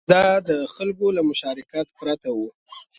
دا د خلکو له مشارکت پرته و